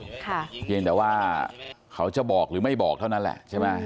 ค่ะเพียงแต่ว่าเขาจะบอกหรือไม่บอกเท่านั้นแหละใช่ไหม